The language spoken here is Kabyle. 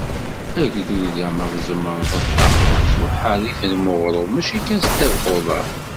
Agdud am wa tzemreḍ ad d-taɣeḍ s uḥerrif n weɣrum, mačči kan s ddabex uḍar.